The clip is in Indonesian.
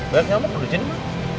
banyak nyamuk udah jenis ma